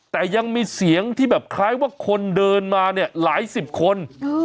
แต่ยังมีเสียงที่แบบคล้ายว่าคนเดินมาเนี่ยหลายสิบคน